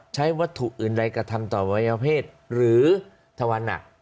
ใช้วัตถุอื่นรายกระทำต่อวัยเภทหรือธวรรณัก